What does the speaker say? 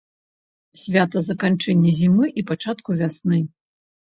Свята заканчэння зімы і пачатку вясны.